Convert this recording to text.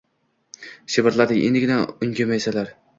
Shivirladi endigina ungan maysalar.